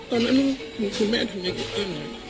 ตอนนั้นคุณแม่ทำกับจะเป็นอะไร